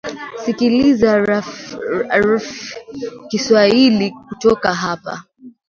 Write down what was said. sikiliza rfi kiswahili kutoka hapa